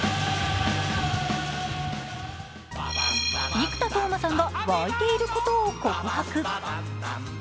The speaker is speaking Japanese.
生田斗真さんが沸いていることを告白。